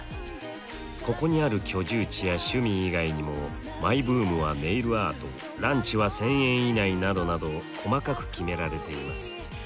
ここにある居住地や趣味以外にもマイブームはネイルアートランチは１，０００円以内などなど細かく決められています。